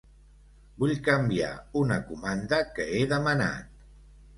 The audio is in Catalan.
Vull canviar una comanda que he demanat.